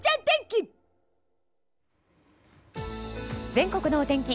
全国のお天気。